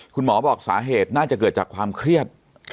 คุณหมอบอกสาเหตุน่าจะเกิดจากความเครียด